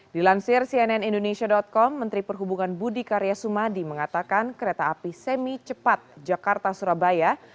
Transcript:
dilansir cnn indonesia com menteri perhubungan budi karya sumadi mengatakan kereta api semi cepat jakarta surabaya